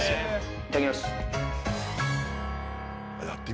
いただきます。